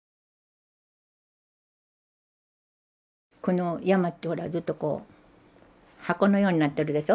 この山ってほらずっとこう箱のようになってるでしょ。